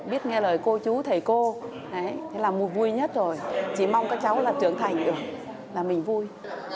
biết nghe lời cô chú thầy cô thế là mùi vui nhất rồi chỉ mong các cháu là trưởng thành được là mình vui